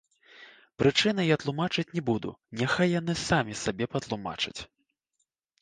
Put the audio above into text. Прычыны я тлумачыць не буду, няхай яны самі сабе патлумачыць.